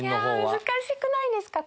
難しくないですか？